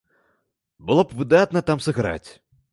Было б выдатна там сыграць.